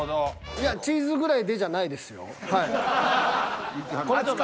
いやチーズぐらいでじゃないですよ。